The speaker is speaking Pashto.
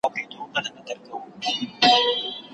یوه شېبه لا د رندانو شور ته کډه کوم.